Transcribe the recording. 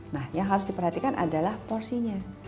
nah yang harus diperhatikan adalah porsinya